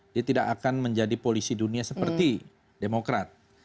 dia tidak akan menjadi polisi dunia seperti demokrat